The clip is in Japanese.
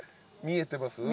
見えてます。